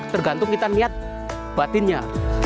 tergantung kita niat batinnya